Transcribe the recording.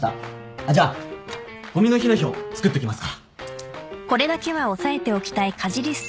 あっじゃあごみの日の表作っときますから。